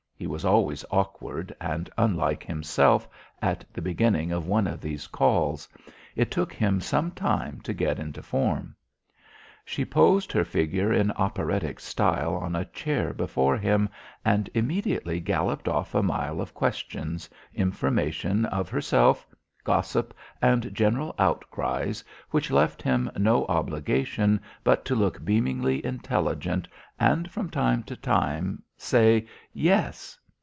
He was always awkward and unlike himself, at the beginning of one of these calls. It took him some time to get into form. She posed her figure in operatic style on a chair before him, and immediately galloped off a mile of questions, information of herself, gossip and general outcries which left him no obligation, but to look beamingly intelligent and from time to time say: "Yes?"